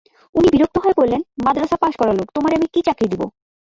উনি বিরক্ত হয়ে বললেন, মাদ্রাসা পাস-করা লোক, তোমারে আমি কী চাকরি দিব!